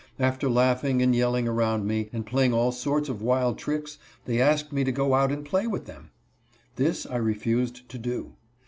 After laughing and yelling around me and playing all sorts of wild tricks, they asked me to go out and play with them. This I refused to do.